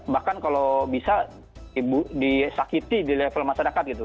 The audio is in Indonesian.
bahkan kalau bisa disakiti di level masyarakat gitu